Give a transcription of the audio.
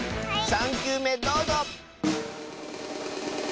３きゅうめどうぞ！